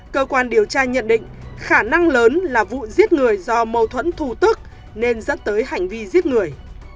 cơ quan điều tra nhận định khả năng lớn là vụ giết người do mâu thuẫn thù tức nên dẫn tới hành vi giết người